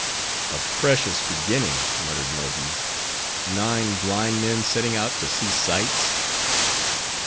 "A precious beginning," muttered Mohi. "Nine blind men setting out to see sights."